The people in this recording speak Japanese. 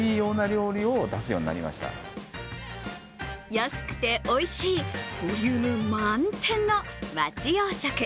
安くておいしいボリューム満点の町洋食。